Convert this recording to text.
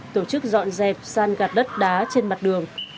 tổ chức dọn dẹp san gạt đất đá trên mặt đường